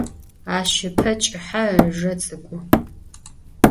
Aş ıpe ç'ıhe, ıjje ts'ık'u.